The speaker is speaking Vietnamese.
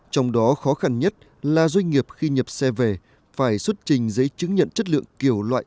trong đó khó khăn nhất là doanh nghiệp khi nhập xe về phải xuất trình giấy chứng nhận chất lượng kiểu loại